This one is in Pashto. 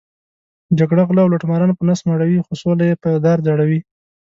جګړه غله او لوټماران په نس مړوي، خو سوله یې په دار ځړوي.